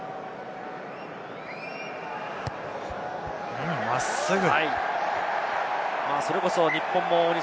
うん、真っすぐ。